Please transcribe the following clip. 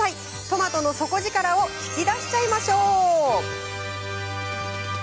トマトの底力を引き出しちゃいましょう。